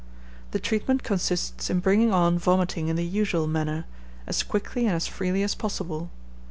The treatment consists in bringing on vomiting in the usual manner, as quickly and as freely as possible.